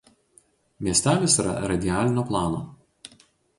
Miestelis yra radialinio plano.